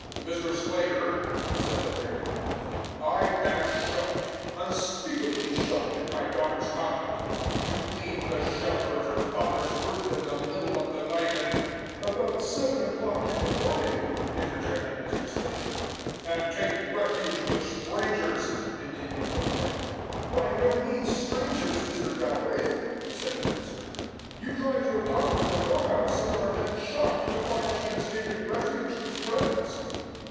"Mr. Sclater," said the laird at length, "I am shocked, unspeakably shocked, at my daughter's conduct. To leave the shelter of her father's roof, in the middle of the night, and " "About seven o'clock in the evening," interjected Mr. Sclater. " and take refuge with strangers!" continued the laird. "By no means strangers, Mr. Galbraith!" said the minister. "You drive your daughter from your house, and are then shocked to find she has taken refuge with friends!"